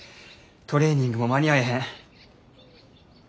トレーニングも間に合えへん。